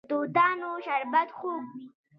د توتانو شربت خوږ وي.